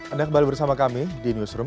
anda kembali bersama kami di newsroom